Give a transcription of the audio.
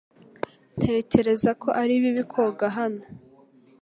Ntekereza ko ari bibi koga hano .